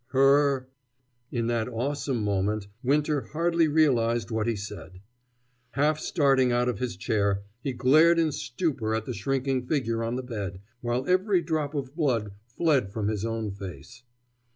"Her !" In that awesome moment Winter hardly realized what he said. Half starting out of his chair, he glared in stupor at the shrinking figure on the bed, while every drop of blood fled away from his own face.